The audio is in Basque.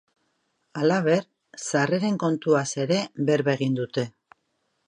Halaber, sarreren kontuaz ere berba egin dute.